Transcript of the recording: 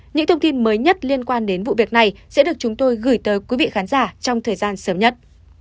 những thông tin mới nhất liên quan đến vụ việc này sẽ được chúng tôi gửi tới quý vị khán giả trong thời gian sớm nhất